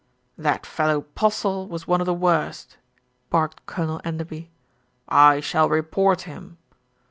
"That fellow Postle was one of the worst," barked Colonel Enderby. "I shall report him."